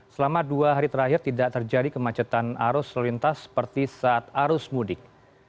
selama dua hari terakhir tidak terjadi kemacetan arus lalu lintas seperti saat arus mudik